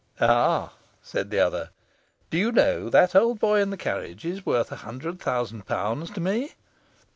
'Ah!' said the other, 'do you know that old boy in the carriage is worth a hundred thousand pounds to me?